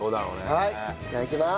はいいただきます。